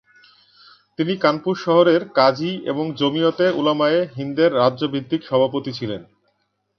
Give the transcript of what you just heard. তিনি কানপুর শহরের কাজী এবং জমিয়তে উলামায়ে হিন্দের রাজ্য ভিত্তিক সভাপতি ছিলেন।